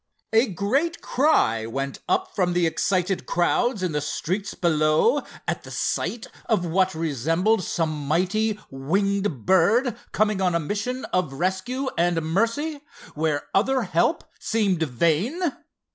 A great cry went up from the excited crowds in the streets below, at the sight of what resembled some mighty winged bird coming on a mission of rescue and mercy, where other help seemed vain.